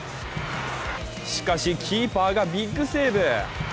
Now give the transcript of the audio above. しかし、キーパーがビッグセーブ。